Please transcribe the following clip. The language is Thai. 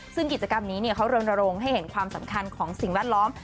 ซึ่งกิจกรรมนี้เขารณรงค์ให้เห็นความสำคัญของสิ่งแวดล้อม